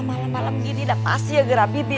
malem malem gini udah pasti ya gara gara bibir